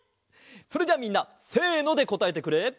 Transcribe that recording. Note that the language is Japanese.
それじゃあみんな「せの」でこたえてくれ！